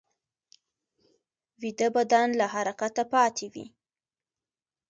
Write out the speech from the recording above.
ویده بدن له حرکته پاتې وي